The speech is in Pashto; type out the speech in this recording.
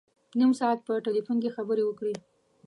نیم ساعت په ټلفون کې خبري وکړې.